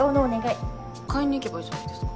買いに行けばいいじゃないですか。